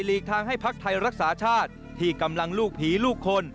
กทางให้พักไทยรักษาชาติที่กำลังลูกผีลูกคน